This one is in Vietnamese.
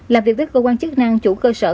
làm việc với cơ quan chức năng chủ cơ sở